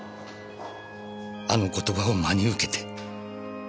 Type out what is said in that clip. あの言葉を真に受けて。